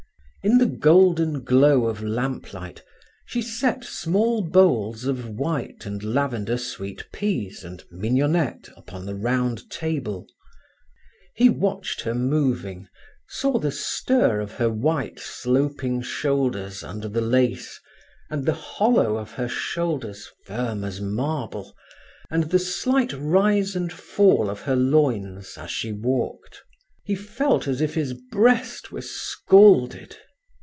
In the golden glow of lamplight she set small bowls of white and lavender sweet peas, and mignonette, upon the round table. He watched her moving, saw the stir of her white, sloping shoulders under the lace, and the hollow of her shoulders firm as marble, and the slight rise and fall of her loins as she walked. He felt as if his breast were scalded.